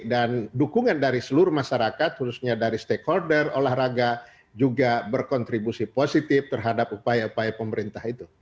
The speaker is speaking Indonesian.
dan dukungan dari seluruh masyarakat khususnya dari stakeholder olahraga juga berkontribusi positif terhadap upaya upaya pemerintah itu